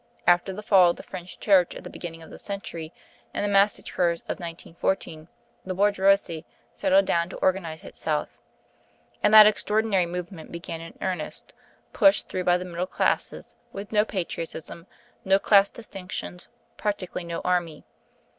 After the fall of the French Church at the beginning of the century and the massacres of 1914, the bourgeoisie settled down to organise itself; and that extraordinary movement began in earnest, pushed through by the middle classes, with no patriotism, no class distinctions, practically no army.